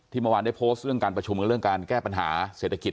เมื่อวานได้โพสต์เรื่องการประชุมกับเรื่องการแก้ปัญหาเศรษฐกิจ